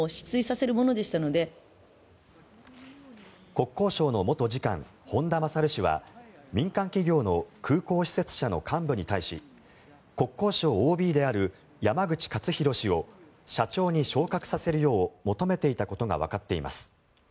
国交省の元次官本田勝氏は民間企業の空港施設社の幹部に対し国交省ＯＢである山口勝弘氏を社長に昇格させるよう求めていたことがわかっています。